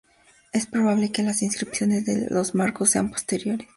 Es probable que las inscripciones de los marcos sean posteriores.